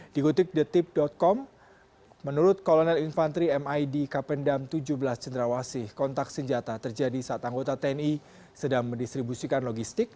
dikutip detik com menurut kolonel infanteri mid kapendam tujuh belas cendrawasih kontak senjata terjadi saat anggota tni sedang mendistribusikan logistik